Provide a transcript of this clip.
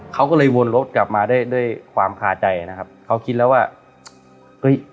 เขาก็เลยวนรถกลับมาได้ด้วยความคาใจนะครับเขาคิดแล้วว่าเฮ้ย